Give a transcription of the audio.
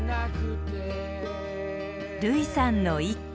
類さんの一句。